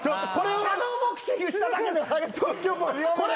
シャドーボクシングしただけで。